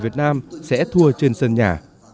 việt nam sẽ thua trên sân nhà